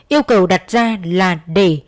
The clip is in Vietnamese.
yêu cầu đặt ra là để